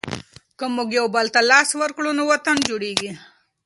که موږ یوبل ته لاس ورکړو نو وطن جوړېږي.